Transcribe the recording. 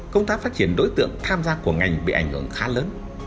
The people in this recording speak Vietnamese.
công tác phát triển đối tượng tham gia của ngành bị ảnh hưởng khá lớn